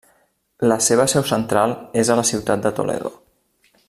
La seva seu central és a la ciutat de Toledo.